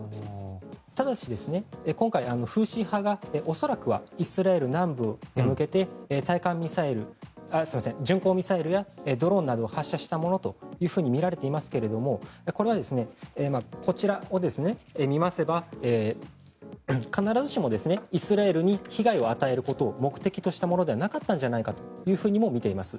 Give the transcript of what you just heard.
ただし、今回フーシ派が恐らくはイスラエル南部へ向けて巡航ミサイルやドローンなどを発射したものとみられていますがこれはこちらを見ますと必ずしもイスラエルに被害を与えることを目的としたものではなかったのではないかとみています。